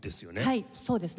はいそうですね。